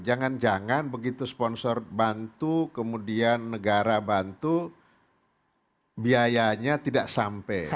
jangan jangan begitu sponsor bantu kemudian negara bantu biayanya tidak sampai